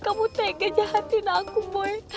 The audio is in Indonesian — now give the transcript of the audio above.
kamu tege jahatin aku boy